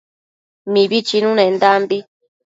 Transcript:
Mibi chinunendambi